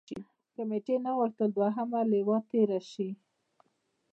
کمېټې نه غوښتل دوهمه لواء تېره شي.